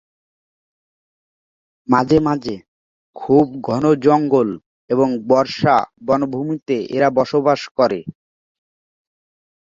মাঝে মাঝে খুব ঘন জঙ্গল এবং বর্ষা বনভূমিতে এরা বসবাস করে।